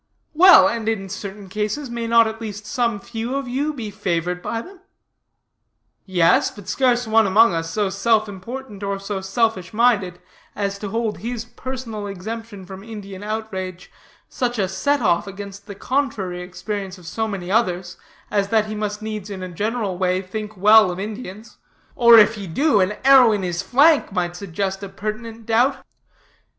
Well, and in certain cases may not at least some few of you be favored by them? Yes, but scarce one among us so self important, or so selfish minded, as to hold his personal exemption from Indian outrage such a set off against the contrary experience of so many others, as that he must needs, in a general way, think well of Indians; or, if he do, an arrow in his flank might suggest a pertinent doubt.